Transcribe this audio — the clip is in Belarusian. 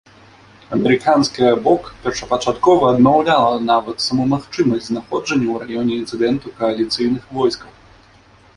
Амерыканская бок першапачаткова адмаўляла нават саму магчымасць знаходжання у раёне інцыдэнту кааліцыйных войскаў.